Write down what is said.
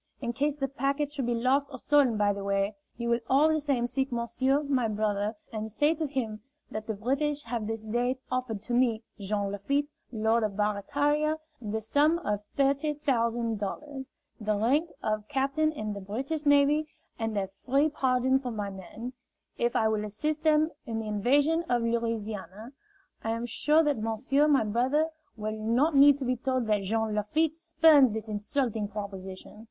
In case the packet should be lost or stolen by the way, you will all the same seek monsieur, my brother, and say to him that the British have this day offered to me, Jean Lafitte, Lord of Barataria, the sum of thirty thousand dollars, the rank of captain in the British navy, and a free pardon for my men, if I will assist them in their invasion of Louisiana. I am sure that monsieur, my brother, will not need to be told that Jean Lafitte spurns this insulting proposition.